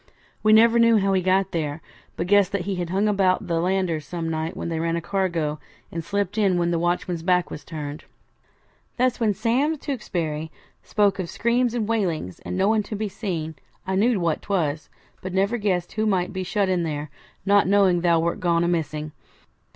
We never knew how he got there, but guessed that he had hung about the landers some night when they ran a cargo, and slipped in when the watchman's back was turned. Thus when Sam Tewkesbury spoke of screams and wailings, and no one to be seen, I knew what 'twas, but never guessed who might be shut in there, not knowing thou wert gone amissing.